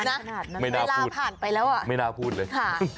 นานขนาดนั้นไม่น่าพูดเลย